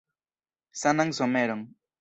Sanan someron.